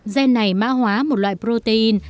gen này mã hóa một loại protein